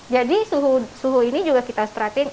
jadi suhu ini juga kita perhatiin